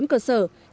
nhà máy sơ chế đáp ứng